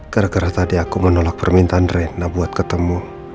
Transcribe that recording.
gara gara tadi aku menolak permintaan reinna buat ketemu